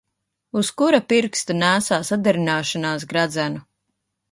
Uz kura pirksta nēsā saderināšānās gredzenu?